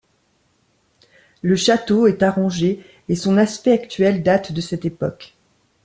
Le château est arrangé au et son aspect actuel date de cette époque.